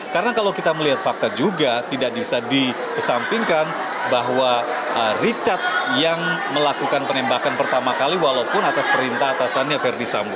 karena kalau kita melihat fakta juga tidak bisa dikesampingkan bahwa richard yang melakukan penembakan pertama kali walaupun atas perintah atasannya ferdis sambo